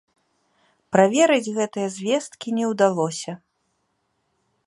Праверыць гэтыя звесткі не ўдалося.